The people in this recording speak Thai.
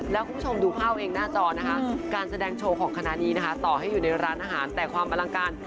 แล้วคุณผู้ชมดูภาวเองหน้าจอนะคะการแสดงโชว์ของคณานี้นะคะต่อให้อยู่ในร้านอาหาร